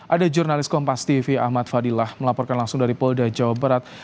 ada jurnalis kompas tv ahmad fadilah melaporkan langsung dari polda jawa barat